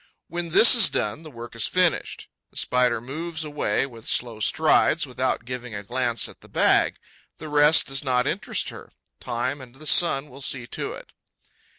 When this is done, the work is finished. The Spider moves away with slow strides, without giving a glance at the bag. The rest does not interest her: time and the sun will see to it.